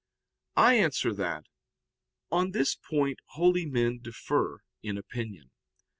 I answer that, On this point holy men differ in opinion.